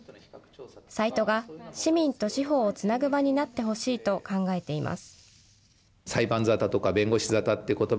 サイトが市民と司法をつなぐ場になってほしいと考えています。